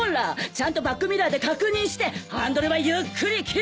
ちゃんとバックミラーで確認してハンドルはゆっくり切る。